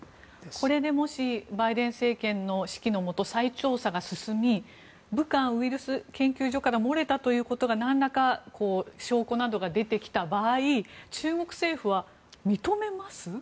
これでもしバイデン政権の指揮のもと再調査が進み武漢ウイルス研究所から漏れたということがなんらか証拠などが出てきた場合中国政府は認めますか？